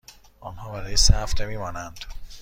آنها برای سه هفته می مانند.